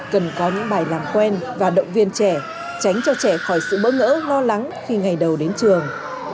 cần có những bài làm quen và động viên trẻ tránh cho trẻ khỏi sự bỡ ngỡ lo lắng khi ngày đầu đến trường